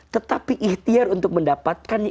tetapi ikhtiar untuk mendapatkannya